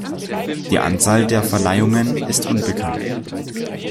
Die Anzahl der Verleihungen ist unbekannt.